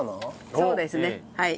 そうですねはい。